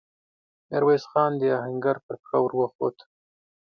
ميرويس خان د آهنګر پر پښه ور وخووت.